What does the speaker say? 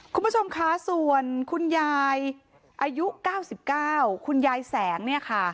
คุณผู้ชมคะส่วนคุณยายอายุ๙๙คุณยายแสงเนี่ยค่ะ